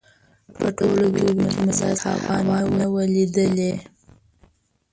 په ټوله دوبي کې مو داسې هوا نه وه لیدلې.